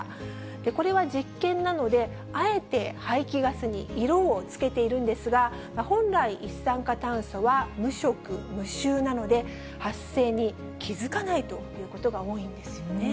これは実験なので、あえて排気ガスに色をつけているんですが、本来、一酸化炭素は無色無臭なので、発生に気付かないということが多いんですよね。